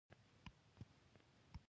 زه غواړم تجارت وکړم